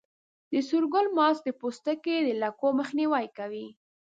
د سور ګل ماسک د پوستکي د لکو مخنیوی کوي.